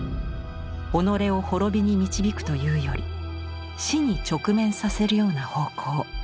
己を滅びに導くというより死に直面させるような方向